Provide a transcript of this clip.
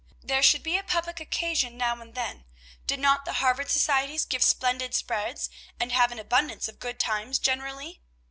There should be a public occasion now and then. Did not the Harvard societies give splendid spreads, and have an abundance of good times generally?